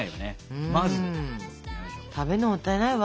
食べるのもったいないわ。